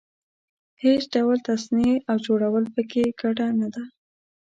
هېڅ ډول تصنع او جوړول په کې ګډه نه ده.